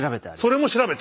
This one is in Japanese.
それも調べた。